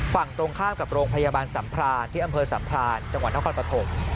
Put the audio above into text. ฝั่งตรงข้ามกับโรงพยาบาลสัมพรานที่อำเภอสัมพรานจังหวัดนครปฐม